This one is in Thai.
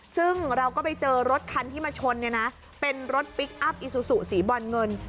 ซึ่งเราก็ไปเจอรถคันที่มาชนเนี่ยนะเป็นรถพลิกอัพอิซูซูสีบอลเงิน